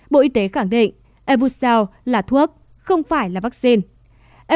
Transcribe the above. bộ y tế khẳng định evoso là thuốc không phải là vaccine